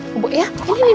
dan mama yang kamu temui